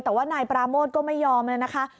แต่ว่านายปราโมทก็ไม่ยอมเลยนะคะ